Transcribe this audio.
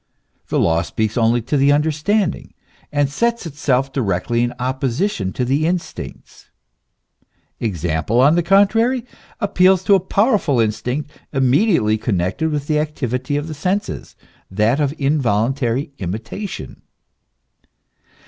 The law speaks only to the understanding, and sets itself directly in opposition to the instincts ; example, on the con trary, appeals to a powerful instinct immediately connected with the activity of the senses, that of involuntary imitation.